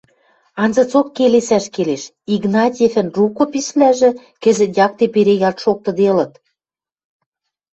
Анзыцок келесӓш келеш: Игнатьевӹн рукописьвлӓжы кӹзӹт якте перегӓлт шоктыделыт.